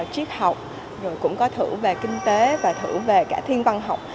triết học rồi cũng có thử về kinh tế và thử về cả thiên văn học